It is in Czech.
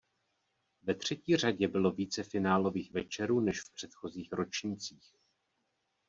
Ve třetí řadě bylo více finálových večerů než v předchozích ročnících.